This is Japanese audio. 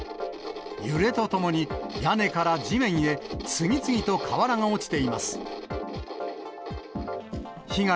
揺れとともに屋根から地面へ次々と瓦が落ちています。